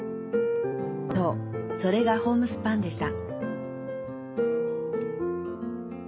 そうそれがホームスパンでした。